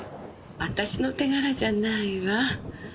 あたしの手柄じゃないわ。